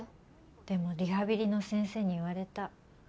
でもリハビリの先生に言われた。